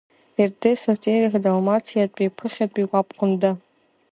Ерде Сотерих Далмациатәи, ԥыхьатәи уабхәында.